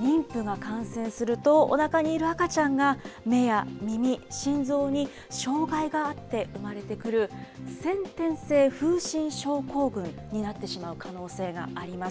妊婦が感染すると、おなかにいる赤ちゃんが、目や耳、心臓に障害があって産まれてくる、先天性風疹症候群になってしまう可能性があります。